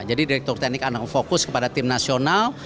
jadi direktur teknik akan fokus kepada tim nasional